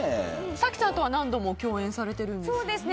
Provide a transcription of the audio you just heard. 早紀さんとは何度も共演されてるんですよね。